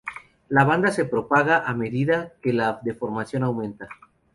La banda se propaga a medida que la deformación aumenta.